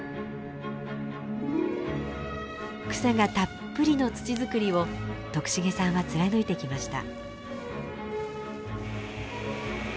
草がたっぷりの土づくりを徳重さんは貫いてきました。